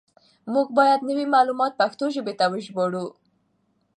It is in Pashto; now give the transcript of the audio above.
موږ بايد نوي معلومات پښتو ژبې ته وژباړو.